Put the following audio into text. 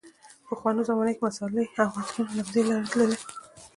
پخوا زمانو کې مصالحې او عطرونه له همدې لارې تللې.